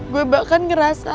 gue bahkan ngerasa